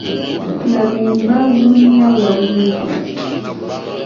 Nà mèmbá wúǔɲá wârzɛ̂.